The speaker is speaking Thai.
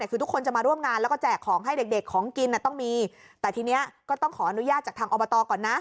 คือทุกคนจะมาร่วมงานแล้วก็แจกของให้เด็กของกินต้องมีแต่ทีนี้ก็ต้องขออนุญาตจากทางอบตก่อนนะ